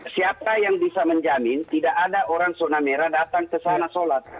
siapa yang bisa menjamin tidak ada orang zona merah datang kesana salat